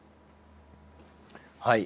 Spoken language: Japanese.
はい。